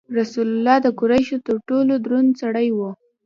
رسول الله د قریشو تر ټولو دروند سړی و.